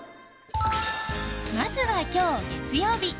まずは今日、月曜日。